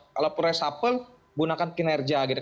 kalau resapel gunakan kinerja gitu